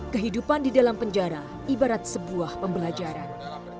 kehidupan di dalam penjara ibarat sebuah pembelajaran